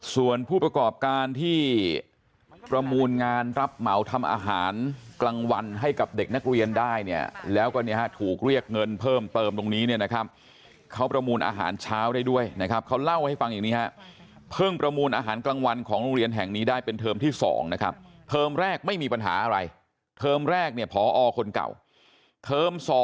ส่วนผู้ประกอบการที่ประมูลงานรับเหมาทำอาหารกลางวันให้กับเด็กนักเรียนได้เนี่ยแล้วก็เนี่ยฮะถูกเรียกเงินเพิ่มเติมตรงนี้เนี่ยนะครับเขาประมูลอาหารเช้าได้ด้วยนะครับเขาเล่าให้ฟังอย่างนี้ฮะเพิ่งประมูลอาหารกลางวันของโรงเรียนแห่งนี้ได้เป็นเทอมที่๒นะครับเทอมแรกไม่มีปัญหาอะไรเทอมแรกเนี่ยพอคนเก่าเทอม๒